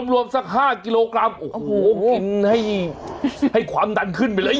รวมสัก๕กิโลกรัมโอ้โหกินให้ความดันขึ้นไปเลย